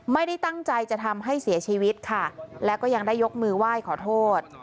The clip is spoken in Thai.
ไม่ได้ตั้งใจจะทำให้เสียชีวิตค่ะแล้วก็ยังได้ยกมือไหว้ขอโทษ